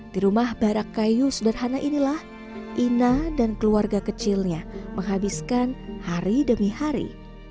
di rumah barak kayu sederhana inilah ina dan keluarga kecilnya menghabiskan hari demi hari